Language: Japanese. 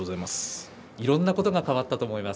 いろんなことが変わったと思います。